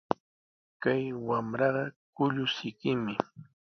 Kay wamraqa kullusikimi.